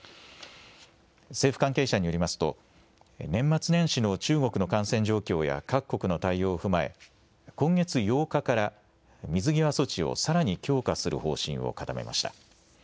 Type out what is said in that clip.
政府関係者によりますと、年末年始の中国の感染状況や各国の対応を踏まえ、今月８日から水際措置をさらに強化する方針を固めました。